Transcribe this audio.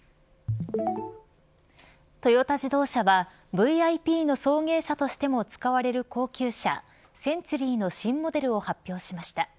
トヨタ自動車はＶＩＰの送迎車としても使われる高級車センチュリーの新モデルを発表しました。